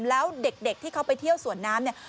แล้วเด็กที่เขาไปเที่ยวสวนน้ำเนี่ย